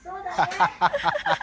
ハハハハ。